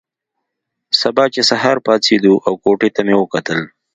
سبا چې سهار پاڅېدو او کوټې ته مې وکتل.